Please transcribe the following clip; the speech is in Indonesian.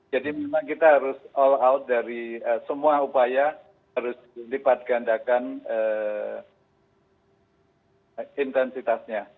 jadi memang kita harus all out dari semua upaya harus lipat gandakan intensitasnya